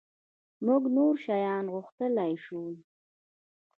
مونږ نور شیان غوښتلای شول.